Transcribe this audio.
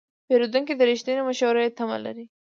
پیرودونکی د رښتینې مشورې تمه لري.